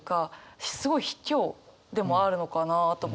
すごいひきょうでもあるのかなと思って。